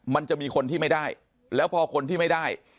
มันจะมีคนที่ไม่ได้แล้วพอคนที่ไม่ได้